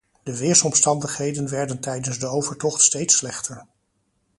De weersomstandigheden werden tijdens de overtocht steeds slechter.